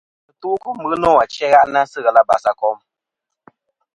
Ɨtu'kom ghɨ nô achi a gha'nɨ-a sɨ ghelɨ abas a kom.